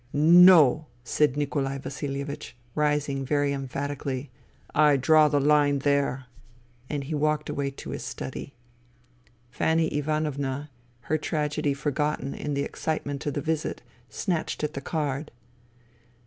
" No !'* said Nikolai Vasilievich, rising very emphat ically. " I draw the line there.'* And he walked away to his study. Fanny Ivanovna, her tragedy forgotten in the excitement of the visit, snatched at the card.